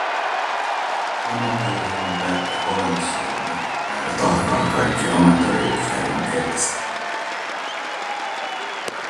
Ammattiurheilun pelkkä olemassaolo myrkyttää ja tahraa kaikki amatööriurheilun eettiset näkökohdat.